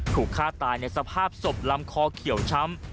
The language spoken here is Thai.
ถูกฆ่าตายในสภาพศพลำคอเขียวช้ำ